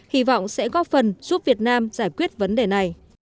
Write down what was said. hy vọng sẽ góp phần giúp việt nam giải quyết vấn đề này